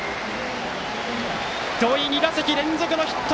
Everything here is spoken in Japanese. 土井、２打席連続のヒット！